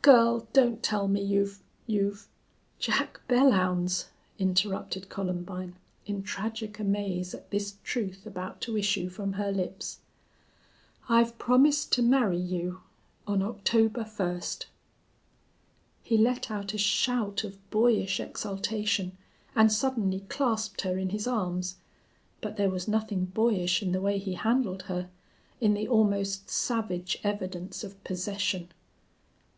Girl, don't tell me you've you've " "Jack Belllounds," interrupted Columbine, in tragic amaze at this truth about to issue from her lips, "I've promised to marry you on October first." He let out a shout of boyish exultation and suddenly clasped her in his arms. But there was nothing boyish in the way he handled her, in the almost savage evidence of possession.